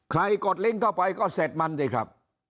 กดลิงก์เข้าไปก็เสร็จมันสิครับ